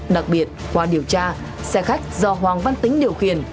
đặc biệt qua điều tra xe khách do hoàng văn tính điều khiển